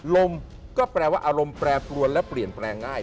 ลมก็แปลว่าอารมณ์แปรปรวนและเปลี่ยนแปลงง่าย